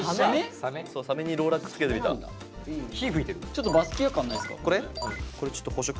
ちょっとバスキア感ないですか？